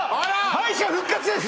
敗者復活です